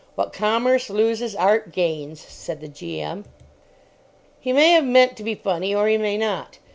What Commerce loses, Art gains," said the G.M. He may have meant to be funny, or he may not.